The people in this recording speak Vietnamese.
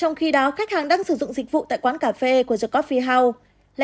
trong khi đó khách hàng đang sử dụng dịch vụ tại quán cà phê của the coffee house